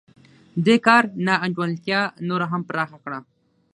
دې کار نا انډولتیا نوره هم پراخه کړه